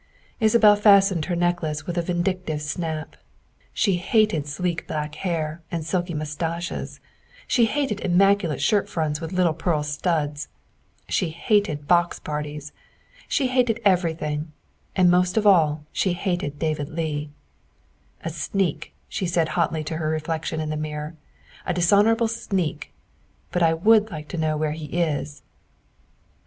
Isabel fastened her necklace with a vindictive snap, She hated sleek black hair and silky mustaches; she hated immaculate shirt fronts with little pearl studs; she hated box parties; she hated everything and most of all she hated David Leigh. "A sneak," she said hotly to her reflection in the mirror, " a dishonorable sneak, but I would like to know where he is."